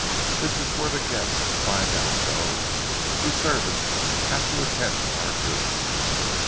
That is for the guests to find out, though. We servants have to attend to our duties.